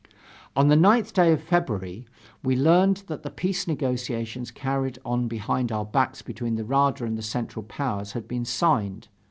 On the 9th day of February (N. S.) we learned that the peace negotiations carried on behind our backs between the Rada and the Central Powers, had been signed.